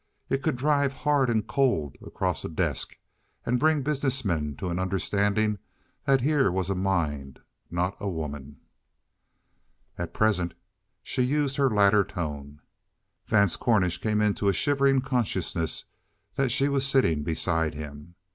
It could drive hard and cold across a desk, and bring businessmen to an understanding that here was a mind, not a woman. At present she used her latter tone. Vance Cornish came into a shivering consciousness that she was sitting beside him.